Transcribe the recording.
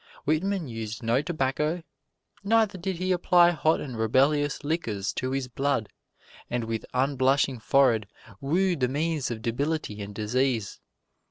Whitman used no tobacco, neither did he apply hot and rebellious liquors to his blood and with unblushing forehead woo the means of debility and disease.